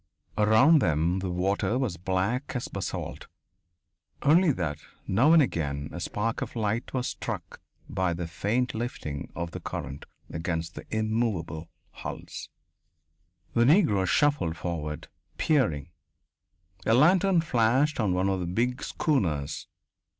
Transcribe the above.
Around them the water was black as basalt, only that now and again a spark of light was struck by the faint lifting of the current against the immovable hulls. The Negro shuffled forward, peering. A lantern flashed on one of the big schooners.